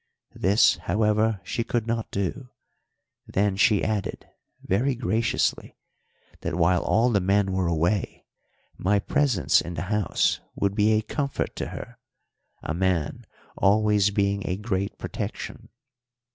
This, however, she could not do; then she added, very graciously, that while all the men were away my presence in the house would be a comfort to her, a man always being a great protection.